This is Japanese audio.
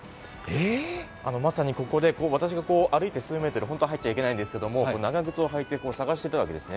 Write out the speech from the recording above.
まさにここ、歩いて数メートル、本当は入っちゃいけないんですけど、長靴をはいて探していたんです